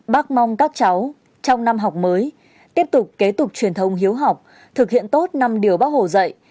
bác mong các cháu trong năm học mới tiếp tục kế tục truyền thông hiếu học thực hiện tốt năm điều bác hồ dạy